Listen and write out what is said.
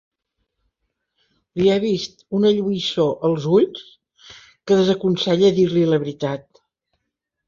Li ha vist una lluïssor als ulls que desaconsella dir-li la veritat.